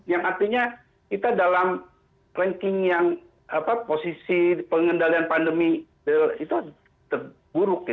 yang artinya kita dalam ranking yang posisi pengendalian pandemi itu terburuk